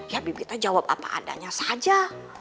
ya bibit teh jawab apa adanya saja